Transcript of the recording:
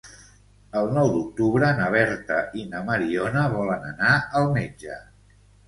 El nou d'octubre na Berta i na Mariona volen anar al metge.